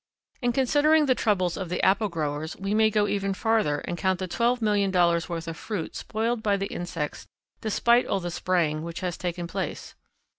In considering the troubles of the apple growers we may go even farther and count the twelve million dollars' worth of fruit spoiled by the insects despite all the spraying which has taken place.